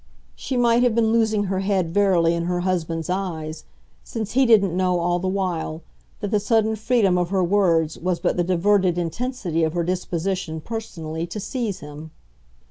She might have been losing her head verily in her husband's eyes since he didn't know, all the while, that the sudden freedom of her words was but the diverted intensity of her disposition personally to seize him.